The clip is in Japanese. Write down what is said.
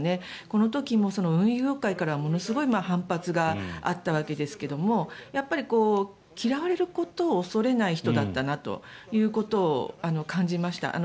この時も運輸界からはものすごい反発があったわけですけども嫌われることを恐れない人だったなということを感じました。